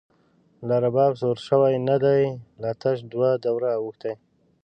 لا رباب سور شوی نه دی، لا تش دوه دوره او ښتی